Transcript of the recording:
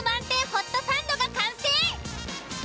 ホットサンドが完成。